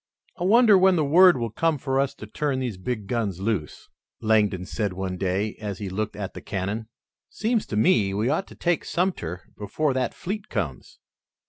"I wonder when the word will come for us to turn these big guns loose?" Langdon said one day, as he looked at the cannon. "Seems to me we ought to take Sumter before that fleet comes."